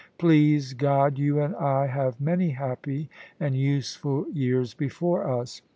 "Please God, you and I have many happy and useful years before us.